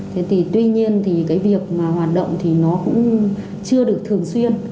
thế thì tuy nhiên thì cái việc mà hoạt động thì nó cũng chưa được thường xuyên